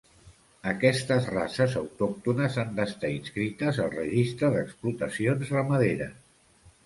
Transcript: Aquestes races autòctones han d'estar inscrites al Registre d'explotacions ramaderes.